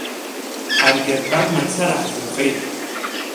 Ҳаргьы атәан мацара ҳзынхеит.